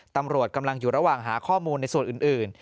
ตำรวจกำลังอยู่ระหว่างหาข้อมูลในส่วนอื่น